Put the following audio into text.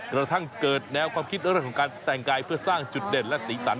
กระทั่งเกิดแนวความคิดเรื่องของการแต่งกายเพื่อสร้างจุดเด่นและสีสัน